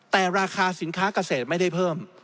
แต่ราคาสินค้าเกษตรไม่ได้เพิ่ม